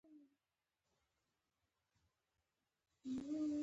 دې جګړو اوس د منل شویو جګړو بڼه اخیستې.